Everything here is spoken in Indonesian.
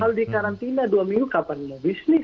kalau di karantina dua minggu kapan mau bisnis